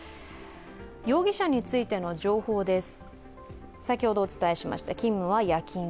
容疑者についての情報です。